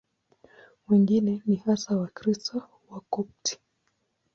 Wengine ni hasa Wakristo Wakopti.